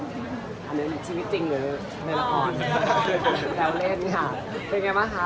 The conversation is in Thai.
แล้วยังยังเลยรอบงานด้วยพี่ลงเป็นยังไงบ้างเลย